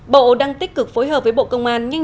bộ đang tích cực phối hợp với bộ công an